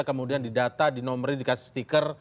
kemudian di data di nomer dikasih stiker